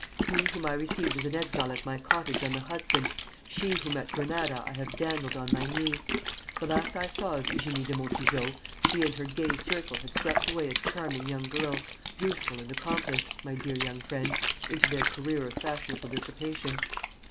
He whom I received as an exile at my cottage on the Hudson, she whom at Granada I have dandled on my knee! The last I saw of Eugénie de Montijo, she and her gay circle had swept away a charming young girl, beautiful and accomplished, my dear young friend, into their career of fashionable dissipation.